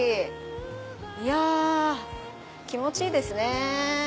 いや気持ちいいですね。